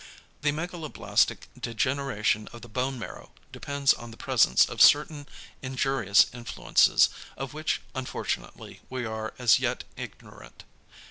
The megaloblastic degeneration of the bone marrow depends on the presence of certain injurious influences, of which unfortunately we are as yet ignorant.